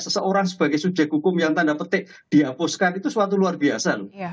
seseorang sebagai subjek hukum yang tanda petik dihapuskan itu suatu luar biasa loh